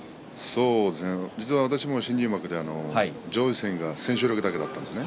実は私も新入幕で上位戦が千秋楽だけありました。